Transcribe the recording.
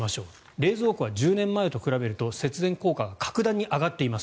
冷蔵庫は１０年前と比べると節電効果が格段に上がっています。